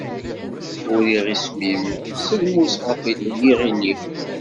Uriɣ isem-im s lmus ɣef yiɣil-iw.